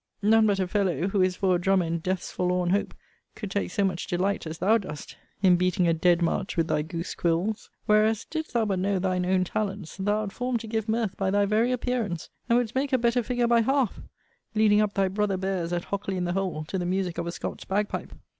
None but a fellow, who is for a drummer in death's forlorn hope, could take so much delight, as thou dost, in beating a dead march with thy goose quills. Whereas, didst thou but know thine own talents, thou art formed to give mirth by thy very appearance; and wouldst make a better figure by half, leading up thy brother bears at Hockley in the Hole, to the music of a Scot's bagpipe.